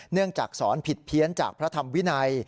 เนื่องจากสอนผิดเพี้ยนจากพระธรรมวินัย